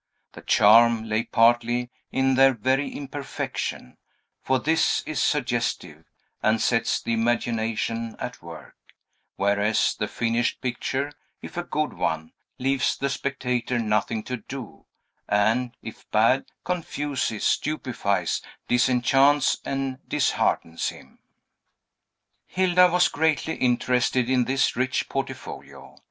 The charm lay partly in their very imperfection; for this is suggestive, and sets the imagination at work; whereas, the finished picture, if a good one, leaves the spectator nothing to do, and, if bad, confuses, stupefies, disenchants, and disheartens him. Hilda was greatly interested in this rich portfolio.